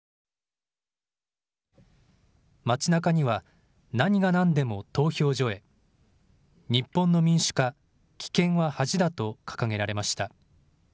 町なかにはなにがなんでも投票所へ、日本の民主化棄権は恥だと掲げられました。